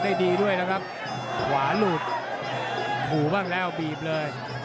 ได้ดีด้วยนะครับขวาหลุดขู่บ้างแล้วบีบเลย